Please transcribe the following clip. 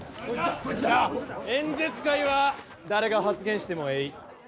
演説会は誰が発言しても、えい。